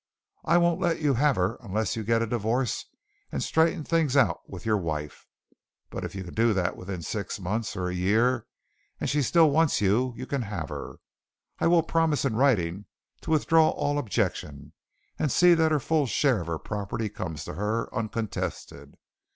I won't let you have her unless you get a divorce and straighten things out with your wife, but if you can do that within six months, or a year, and she still wants you, you can have her. I will promise in writing to withdraw all objection, and see that her full share of her property comes to her uncontested.